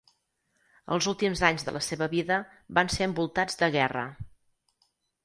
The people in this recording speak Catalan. Els últims anys de la seva vida van ser envoltats de guerra.